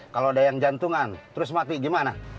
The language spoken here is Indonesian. kalau ada yang jantungan terus mati gimana